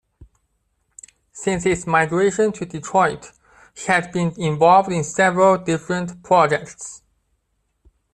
Since his migration to Detroit he had been involved in several different projects.